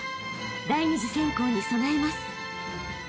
［第二次選考に備えます］